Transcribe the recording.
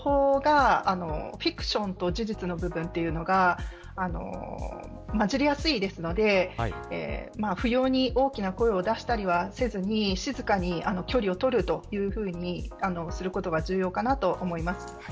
先ほども言いましたが情報が、フィクションと事実の部分というのが混じりやすいですので不用意に大きな声を出したりはせずに静かに距離を取るというふうにすることが重要かなと思います。